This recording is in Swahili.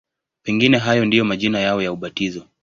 Pengine hayo ndiyo majina yao ya ubatizo.